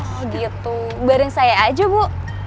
oh gitu bareng saya aja bu